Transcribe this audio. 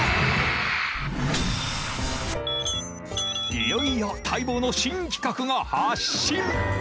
いよいよ待望の新企画が発進！